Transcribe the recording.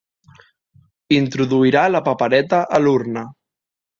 Introduirà la papereta a l'urna.